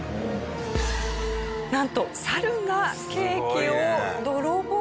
なんと猿がケーキを泥棒。